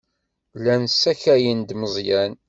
Llan ssakayen-d Meẓyan.